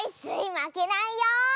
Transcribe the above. まけないよ！